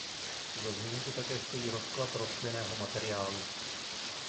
Za zmínku také stojí rozklad rostlinného materiálu.